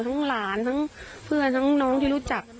หลานทั้งเพื่อนทั้งน้องที่รู้จัก